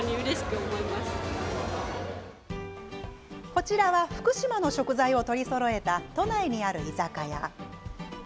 こちらは、福島の食材を取りそろえた都内にある居酒屋。